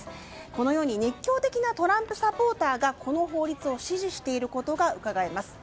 このように熱狂的なトランプサポーターがこの法律を支持していることがうかがえます。